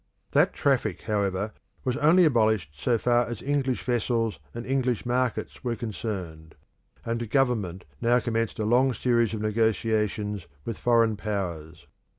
That traffic, however, was only abolished so far as English vessels and English markets were concerned, and Government now commenced a long series of negotiations with foreign powers.